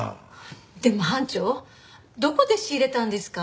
でも班長どこで仕入れたんですか？